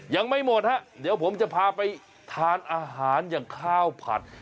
ยังไม่หมดฮะเดี๋ยวผมจะพาไปทานอาหารอย่างข้าวผัด